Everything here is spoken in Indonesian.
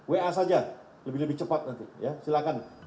wa saja lebih lebih cepat nanti silakan